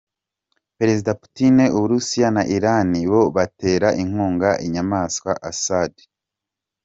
Perezida Putin, u Burusiya na Iran ni bo batera inkunga inyamaswa Assad.